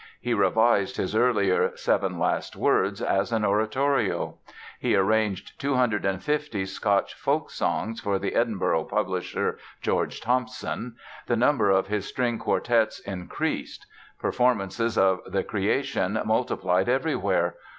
He revised his earlier "Seven Last Words" as an oratorio; he arranged 250 Scotch folksongs for the Edinburgh publisher, George Thomson; the number of his string quartets increased. Performances of "The Creation" multiplied everywhere.